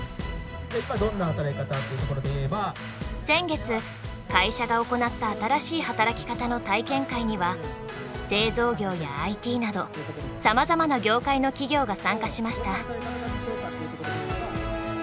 先月会社が行った新しい働き方の体験会には製造業やＩＴなどさまざまな業界の企業が参加しました。